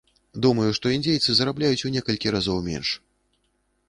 Думаю, што індзейцы зарабляюць у некалькі разоў менш.